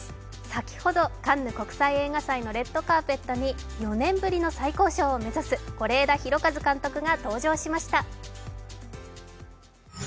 先ほど、カンヌ国際映画祭のレッドカーペットに４年ぶりの最高賞を目指す是枝裕和監督が登場しました。